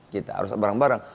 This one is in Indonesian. kita harus barang barang